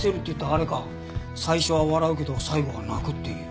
最初は笑うけど最後は泣くっていう。